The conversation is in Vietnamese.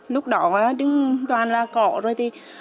lúc đó đứng toàn là cỏ rồi